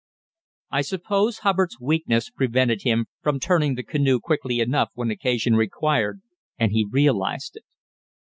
I suppose Hubbard's weakness prevented him from turning the canoe quickly enough when occasion required, and he realised it.